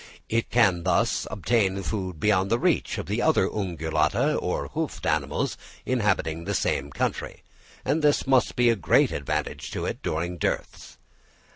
It can thus obtain food beyond the reach of the other Ungulata or hoofed animals inhabiting the same country; and this must be a great advantage to it during dearths.